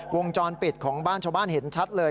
วงจรปิดของบ้านชาวบ้านเห็นชัดเลย